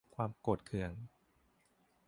ความโกรธเคือง